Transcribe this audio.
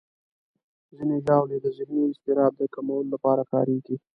ځینې ژاولې د ذهني اضطراب کمولو لپاره کارېږي.